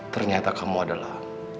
ternyata kamu adalah